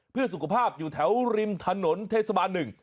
เพื่อสุขภาพอยู่แถวริมถนนเทศบาลหนึ่ง